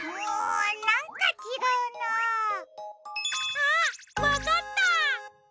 あっわかった！